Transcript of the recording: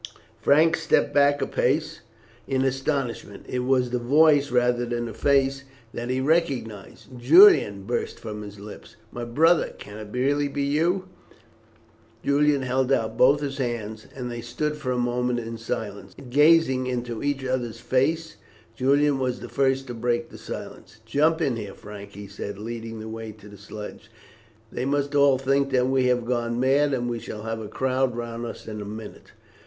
Frank stepped back a pace in astonishment. It was the voice rather than the face that he recognized. "Julian!" burst from his lips, "my brother, can it be really you?" Julian held out both his hands, and they stood for a moment in silence, gazing into each other's face. Julian was the first to break the silence. "Jump in here, Frank," he said, leading the way to the sledge. "They must all think that we have gone mad, and we shall have a crowd round us in a minute."